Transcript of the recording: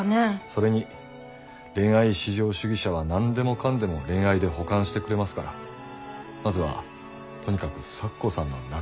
それに恋愛至上主義者は何でもかんでも恋愛で補完してくれますからまずはとにかく咲子さんの納得いくものを。